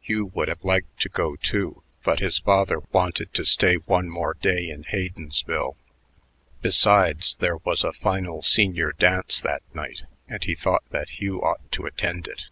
Hugh would have liked to go, too, but his father wanted to stay one more day in Haydensville. Besides, there was a final senior dance that night, and he thought that Hugh ought to attend it.